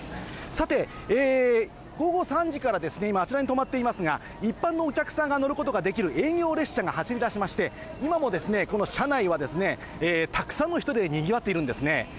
さて、午後３時からですね、今、あちらに止まっていますが、一般のお客さんが乗ることができる営業列車が走りだしまして、今もこの車内はたくさんの人でにぎわっているんですね。